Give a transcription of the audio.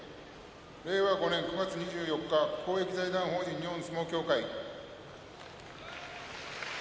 令和５年９月２４日公益財団法人日本相撲協会